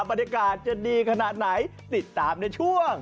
บรรยากาศจะดีขนาดไหนติดตามในช่วง